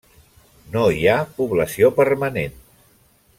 No hi ha població permanent.